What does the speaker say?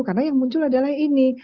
karena yang muncul adalah ini